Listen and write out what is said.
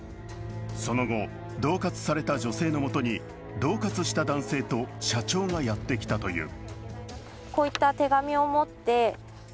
その後、どう喝された女性の元にどう喝した男性と社長がやってきたという。